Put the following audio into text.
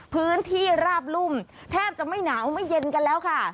พื้นที่ราบรุ่มแทบจะไม่หนาวไม่เย็นกันแล้วค่ะ